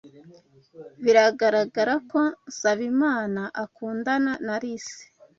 Biragaragara ko Nsabimana akundana na Alice.